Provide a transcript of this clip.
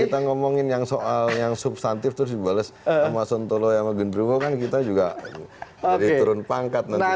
kita ngomongin yang soal yang substantif terus dibalas sama sontolo sama gundrowo kan kita juga jadi turun pangkat nanti